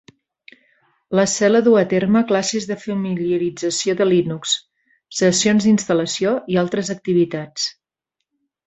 La cel·la duu a terme classes de familiarització de Linux, sessions d'instal·lació i altres activitats.